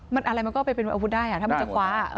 อะไรมันก็ไปเป็นอาวุธได้ถ้ามันจะคว้า